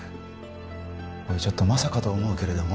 ちょっとまさかと思うけれども